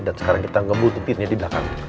dan sekarang kita ngebutin dia di belakang